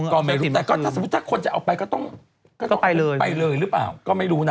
ก็ไม่รู้แต่ถ้าคนจะเอาไปก็ต้องไปเลยหรือเปล่าก็ไม่รู้นะ